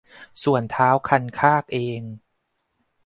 ส่วนท้าวคันคากเอง